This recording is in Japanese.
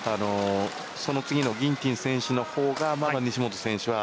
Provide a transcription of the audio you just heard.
その次のギンティング選手の方が、西本選手